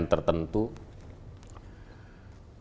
jadi kalau saya runtut ya dari mulai saya bertugas